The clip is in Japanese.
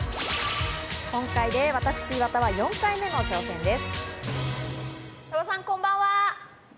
今回で私、岩田は４回目の挑戦です。